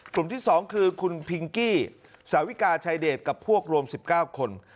กลุ่มที่๒คือคุณพิงกี้สาวิกาชายเดชกับพวกรวม๑๙คน